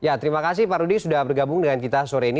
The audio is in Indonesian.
ya terima kasih pak rudi sudah bergabung dengan kita sore ini